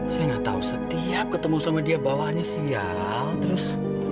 saya nggak tahu setiap ketemu sama dia bawahannya siang terus